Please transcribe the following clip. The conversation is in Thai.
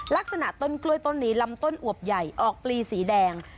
ลักษณะต้นกล้วยต้นนี้ลำต้นอวบใหญ่ออกปลีสีแดง